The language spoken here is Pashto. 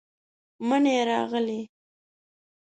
منی راغلې،